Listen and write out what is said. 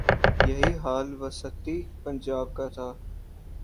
یہی حال وسطی پنجاب کا تھا۔